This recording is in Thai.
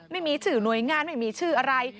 ไม่มีชื่อหน่วยงานไม่มีชื่ออะไร